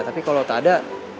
tapi kalau tak ada